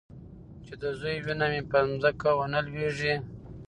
چې د زوى وينه مې په ځمکه ونه لوېږي.